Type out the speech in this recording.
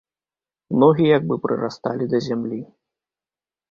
Ногі як бы прырасталі да зямлі.